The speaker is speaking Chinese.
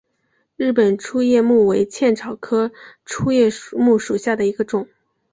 日本粗叶木为茜草科粗叶木属下的一个种。